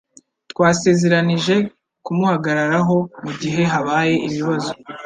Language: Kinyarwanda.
Twasezeranije kumuhagararaho mugihe habaye ibibazo.